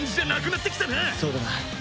そうだな。